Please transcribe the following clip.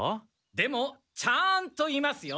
でもちゃんといますよ。